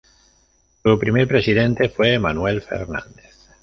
Su primer presidente fue Manuel Fernández.